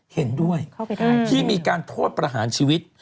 เห็นด้วยที่มีการโทษประหารชีวิต